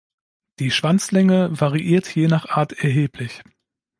Die Schwanzlänge variiert je nach Art erheblich.